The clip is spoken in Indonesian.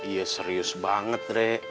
iya serius banget rek